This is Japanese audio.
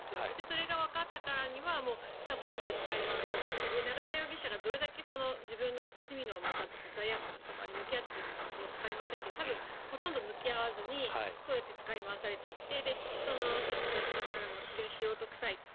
それがわかったからにはじゃあ、この人使い回そうかと永田容疑者がどれだけ自分の罪の重さとか罪悪感とかに向き合っていたかわかりませんが多分、ほとんど向き合わずにそうやって使い回されていってさっき佐々木さんからも素人臭いって。